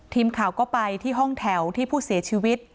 ทีมข่าวก็ไปที่ห้องแถวที่ผู้เสียชีวิต